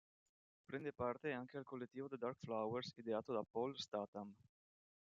Prende parte anche al collettivo The Dark Flowers ideato da Paul Statham.